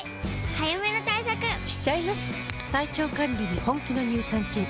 早めの対策しちゃいます。